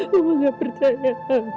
mama gak percaya